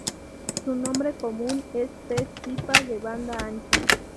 Su nombre común es pez pipa de banda ancha.